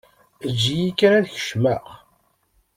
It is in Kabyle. Eǧǧ-iyi kan ad kecmeɣ.